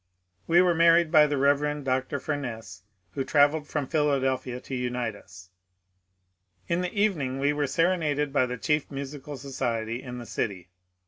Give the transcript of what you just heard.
We were married by the Rev. Dr. Fumess, who travelled from Philadelphia to unite us. In the evening we were serenaded by the chief musical society in the city.